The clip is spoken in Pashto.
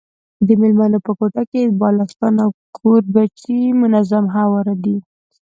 د مېلمنو په کوټه کي بالښتان او کوربچې منظم هواري دي.